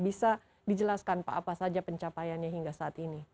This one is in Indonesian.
bisa dijelaskan pak apa saja pencapaiannya hingga saat ini